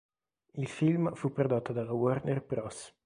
Il film fu prodotto dalla Warner Bros.